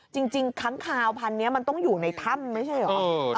จริงค้างคาวพันธุ์นี้มันต้องอยู่ในถ้ำไม่ใช่เหรอ